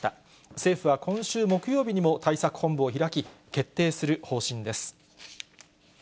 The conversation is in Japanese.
政府は今週木曜日にも対策本部を開き、決定する方針です。